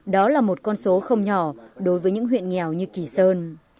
đó là một con số không nhỏ đối với những huyện nghèo như kỳ sơn